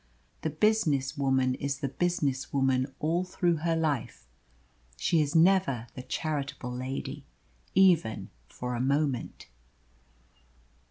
The business woman is the business woman all through her life she is never the charitable lady, even for a moment.